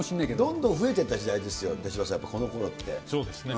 どんどん増えてた時代ですよ、そうですね。